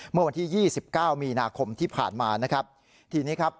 เมื่อวันที่ยี่สิบเก้ามีนาคมที่ผ่านมานะครับทีนี้ครับ